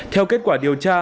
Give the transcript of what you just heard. theo kết quả điều tra